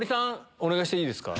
お願いしていいですか？